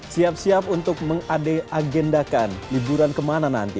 siap siap untuk mengade agendakan liburan kemana nanti